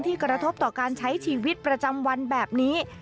กระทบต่อการใช้ชีวิตประจำวันแบบนี้